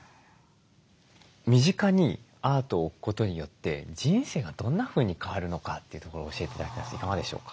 身近にアートを置くことによって人生がどんなふうに変わるのかというところを教えて頂きたいんですけどいかがでしょうか？